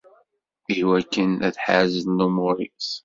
Iwakken ad ḥerzen lumuṛ-is.